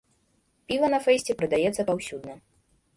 Піва на фэсце прадаецца паўсюдна.